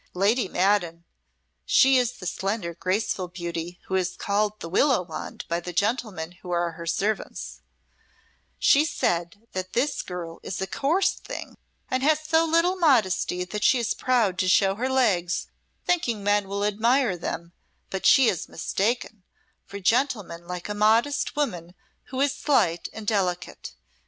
Lady Maddon (she is the slender, graceful buty who is called the 'Willow Wand' by the gentlemen who are her servants) she saith that this girl is a coarse thing and has so little modisty that she is proud to show her legs, thinking men will admire them, but she is mistaken, for gentlemen like a modist woman who is slight and delicate.